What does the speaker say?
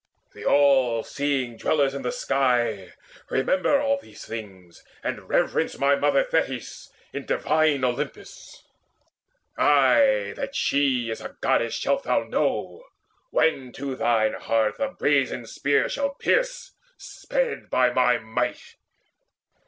The all seeing Dwellers in the Sky Remember all these things, and reverence My mother Thetis in divine Olympus. Ay, that she is a Goddess shalt thou know When to thine heart the brazen spear shall pierce Sped by my might.